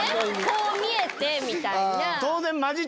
こう見えてみたいな。